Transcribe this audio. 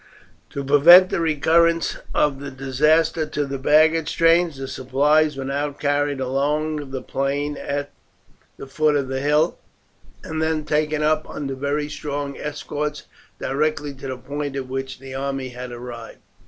To prevent the recurrence of the disaster to the baggage train the supplies were now carried along the plain at the foot of the hill, and then taken up under very strong escorts directly to the point at which the army had arrived.